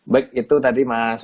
baik itu tadi mas